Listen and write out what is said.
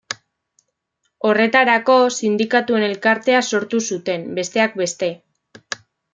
Horretarako sindikatuen elkartea sortu zuten, besteak beste.